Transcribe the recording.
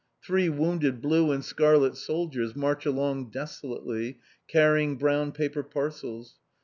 Three wounded blue and scarlet soldiers march along desolately, carrying brown paper parcels.